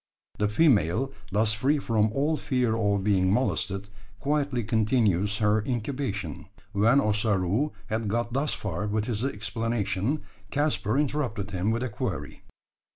The female, thus free from all fear of being molested, quietly continues her incubation! When Ossaroo had got thus far with his explanation, Caspar interrupted him with a query.